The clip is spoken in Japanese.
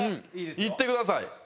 行ってください。